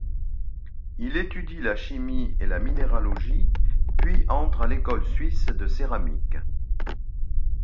Il étudie la chimie et la minéralogie, puis entre à l'École suisse de céramique.